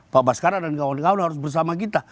pak baskara dan kawan kawan harus bersama kita